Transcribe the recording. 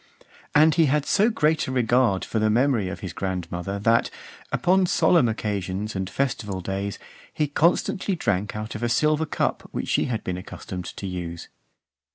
And he had so great a regard for the memory of his grandmother, that, upon solemn occasions and festival days, he constantly drank out of a silver cup which she had been accustomed to use.